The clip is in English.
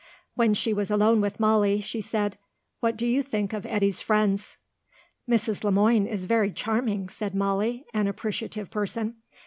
When she was alone with Molly she said, "What do you think of Eddy's friends?" "Mrs. Le Moine is very charming," said Molly, an appreciative person.